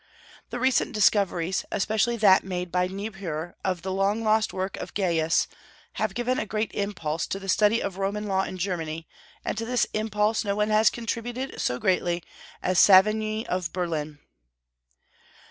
The recent discoveries, especially that made by Niebuhr of the long lost work of Gaius, have given a great impulse to the study of Roman law in Germany; and to this impulse no one has contributed so greatly as Savigny of Berlin.